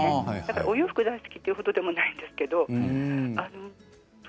お洋服大好きというほどでもないんです。